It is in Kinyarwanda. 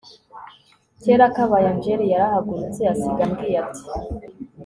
kera kabaye angel yarahagurutse asiga ambwiye ati